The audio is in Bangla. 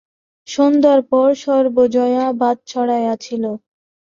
সন্ধ্যার পর সর্বজয়া ভাত চড়াইয়াছিল।